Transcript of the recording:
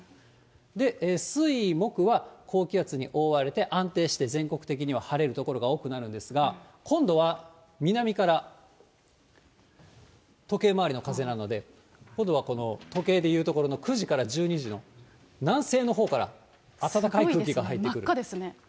で、水、木は高気圧に覆われて、安定して全国的には晴れる所が多くなるんですが、今度は南から時計回りの風なので、今度はこの時計でいうところの９時から１２時の南西のほうから暖真っ赤ですね。